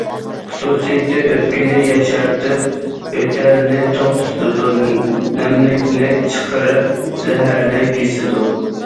خۇسۇسىيىتى ئۆپكىنى ياشارتىپ، يۆتەلنى توختىتىدۇ، نەملىكنى چىقىرىپ، زەھەرنى كېسىدۇ.